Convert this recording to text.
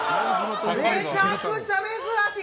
めちゃくちゃ珍しい！